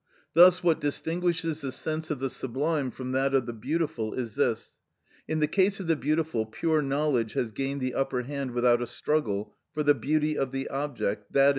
Thus what distinguishes the sense of the sublime from that of the beautiful is this: in the case of the beautiful, pure knowledge has gained the upper hand without a struggle, for the beauty of the object, _i.